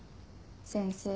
先生